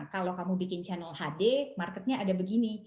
kalau kamu bikin channel hd marketnya ada begini